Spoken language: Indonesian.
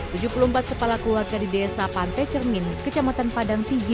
tujuh puluh empat kepala keluarga di desa pantai cermin kecamatan padang tinggi